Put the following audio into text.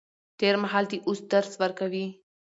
تېر مهال د اوس درس ورکوي.